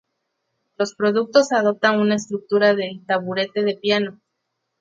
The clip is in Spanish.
Los productos adoptan una estructura de "taburete de piano".